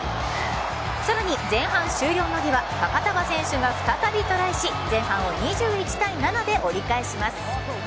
さらに前半終了間際再びトライし前半を２１対７で折り返します。